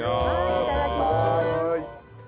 いただきます。